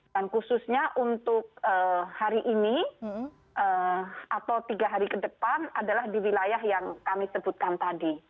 dan khususnya untuk hari ini atau tiga hari ke depan adalah di wilayah yang kami sebutkan tadi